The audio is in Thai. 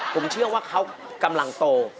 ผมเชื่อว่าเขากำลังโต